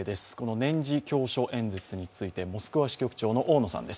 年次教書演説についてモスクワ支局長の大野さんです。